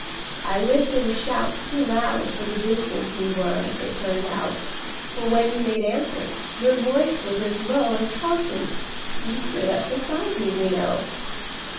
I lifted a shout Too loud for the distance you were, it turned out, For when you made answer, your voice was as low As talking you stood up beside me, you know."